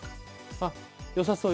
ああよさそう！